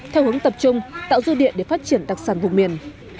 theo hướng tập trung tạo dư địa để phát triển đặc sản vùng miền